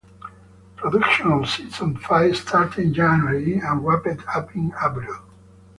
Production of Season Five started in January and wrapped up in April.